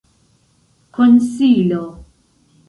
konsilo